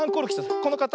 このかたち。